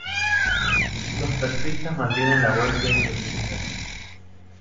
Los taxistas mantienen la huelga indefinida.